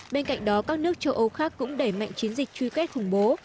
bên cạnh đó các nước châu âu khác cũng đẩy mạnh chiến dịch truy quét khủng bố